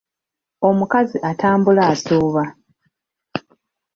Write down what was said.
Omukazi atambula asooba.